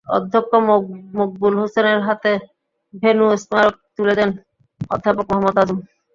অধ্যক্ষ মকবুল হোসেনের হাতে ভেন্যু স্মারক তুলে দেন অধ্যাপক মোহাম্মদ আজম।